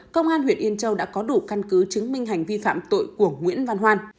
công an huyện yên châu đã có đủ căn cứ chứng minh hành vi phạm tội của nguyễn văn hoan